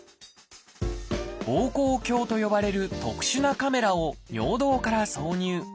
「ぼうこう鏡」と呼ばれる特殊なカメラを尿道から挿入。